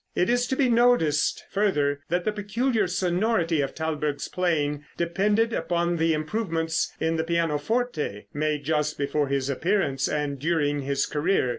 It is to be noticed, further, that the peculiar sonority of Thalberg's playing depended upon the improvements in the pianoforte, made just before his appearance and during his career.